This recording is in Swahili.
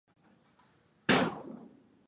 Nikundulia muwanga, nipate niyatakayo